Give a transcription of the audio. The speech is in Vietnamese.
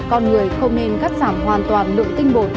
con người không nên cắt giảm hoàn toàn lượng tinh bột